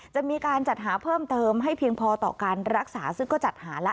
จะมีการจัดหาเพิ่มเติมให้เพียงพอต่อการรักษาซึ่งก็จัดหาแล้ว